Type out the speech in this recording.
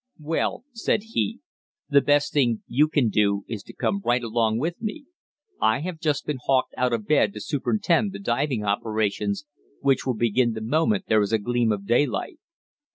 'Well,' said he, 'the best thing you can do is to come right along with me. I have just been hawked out of bed to superintend the diving operations, which will begin the moment there is a gleam of daylight.'